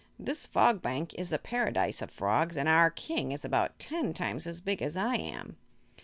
This Fog Bank is the Paradise of Frogs and our King is about ten times as big as I am."